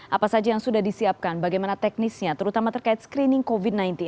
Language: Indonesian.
apa saja yang sudah disiapkan bagaimana teknisnya terutama terkait screening covid sembilan belas